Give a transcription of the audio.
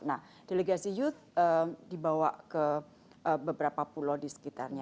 nah delegasi youth dibawa ke beberapa pulau di sekitarnya